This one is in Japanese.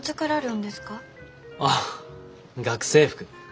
あ学生服。